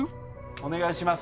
お願いします。